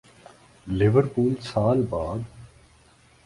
Liverpool سال بعد